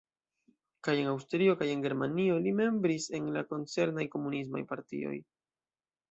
Kaj en Aŭstrio kaj en Germanio li membris en la koncernaj Komunismaj Partioj.